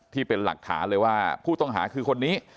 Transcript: ที่เป็นหลักฐานเลยว่าผู้ต้องหาคือคนนี้